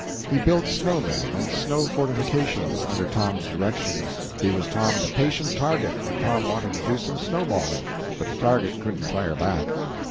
He built snow men and snow fortifications under Tom's directions. He was Tom's patient target when Tom wanted to do some snowballing, but the target couldn't fire back.